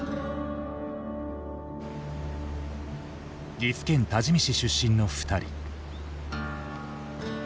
岐阜県多治見市出身の二人。